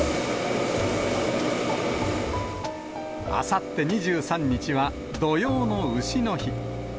あさって２３日は、土用のうしの日。